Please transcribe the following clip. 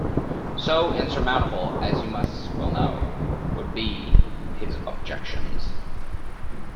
So insurmountable, as you must well know, would be his objections.